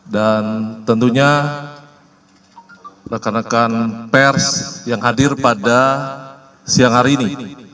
dan tentunya rekan rekan pers yang hadir pada siang hari ini